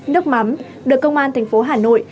nước mắm được công an thành phố hà nội